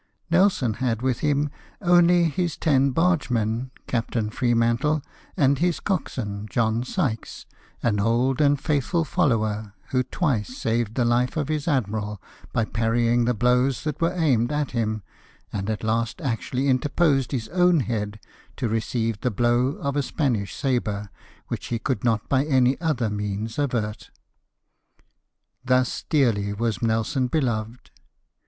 Nelson had with him only his ten barge men, Captain Freemantlq, and his coxswain, John Sykes, an old and faithful follower, who twice saved the Hfe of his admiral by parrying the blows that were aimed at him, and at last actually inter posed his own head to receive the blow of a Spanish sabre, which he could not by any other means avert ; thus dearly was Nelson beloved.